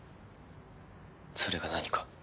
それが何か？